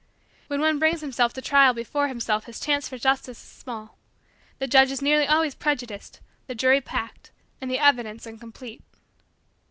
When one brings himself to trial before himself his chance for justice is small the judge is nearly always prejudiced, the jury packed, and the evidence incomplete.